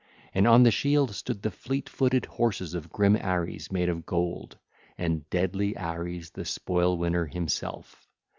(ll. 191 196) And on the shield stood the fleet footed horses of grim Ares made gold, and deadly Ares the spoil winner himself.